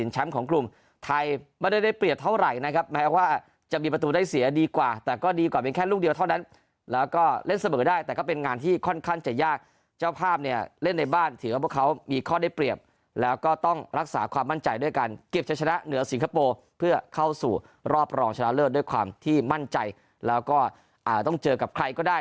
เจ้าภาพเนี่ยเล่นในบ้านถือว่าพวกเขามีข้อได้เปรียบแล้วก็ต้องรักษาความมั่นใจด้วยกันเก็บจะชนะเหนือสิงคโปร์เพื่อเข้าสู่รอบรองชนะเลิศด้วยความที่มั่นใจแล้วก็อาจต้องเจอกับใครก็ได้